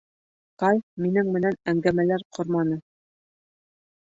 Кай минең менән әңгәмәләр ҡорманы.